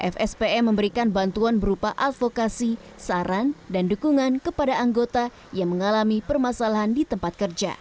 fspm memberikan bantuan berupa advokasi saran dan dukungan kepada anggota yang mengalami permasalahan di tempat kerja